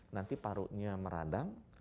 nanti parunya meradang